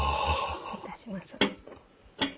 失礼いたします。